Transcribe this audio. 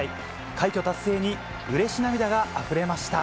快挙達成にうれし涙があふれました。